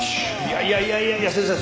いやいやいやいや先生